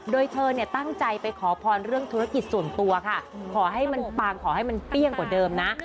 โดยเธอเนี่ยตั้งใจไปขอพรเรื่องธุรกิจส่วนตัวค่ะขอให้มันปางขอให้มันเปรี้ยงกว่าเดิมนะ